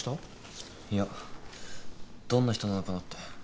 いやどんな人なのかなって。